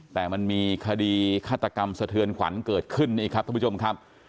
แต่มันมีคดีฆาตกรรมสะเทือนขวัญเกิดขึ้นนี่ครับท่านผู้ชมครับ